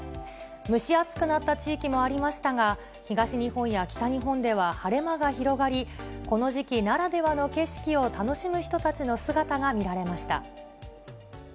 蒸し暑くなった地域もありましたが、東日本や北日本では晴れ間が広がり、この時期ならではの景色を楽しむ人たちの姿が見られました。